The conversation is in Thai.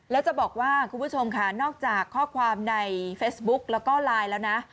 แล้วจะบอกว่าคุณผู้ชมค่ะนอกจากข้อความในเฟซบุ๊กแล้วก็ไลน์แล้วนะ